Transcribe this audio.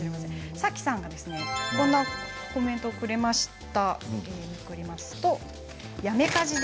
さきさんはこんなコメントをくれました。